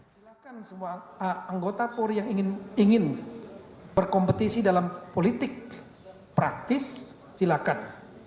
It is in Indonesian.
silakan semua anggota polri yang ingin berkompetisi dalam politik praktis silakan